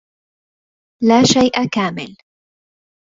لا شَيءَ كاملٌ.